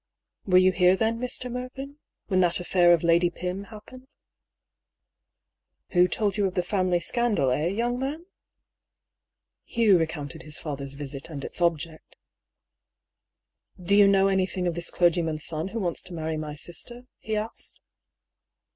" Were you here then, Mr. Mervyn ? When that affair of Lady Pym happened?" " Who told you of the family scandal, eh, young man?" Hugh recounted his father's visit and its object. " Do you know anything of this clergyman son who wants to marry my sister ?" he asked.